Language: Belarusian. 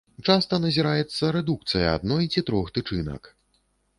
Часта назіраецца рэдукцыя адной ці трох тычынак.